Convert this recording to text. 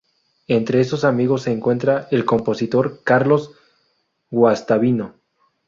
Entre esos amigos se encuentra el compositor Carlos Guastavino.